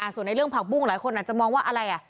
ส่วนในเรื่องผักบุ้งหลายคนอาจจะมองว่าอะไร